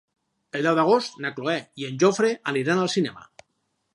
El deu d'agost na Cloè i en Jofre aniran al cinema.